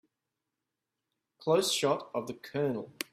Close shot of the COLONEL.